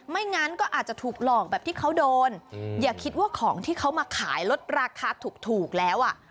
งั้นก็อาจจะถูกหลอกแบบที่เขาโดนอย่าคิดว่าของที่เขามาขายลดราคาถูกแล้วอ่ะ